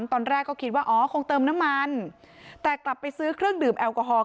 ตอนแรกก็คิดว่าอ๋อคงเติมน้ำมันแต่กลับไปซื้อเครื่องดื่มแอลกอฮอล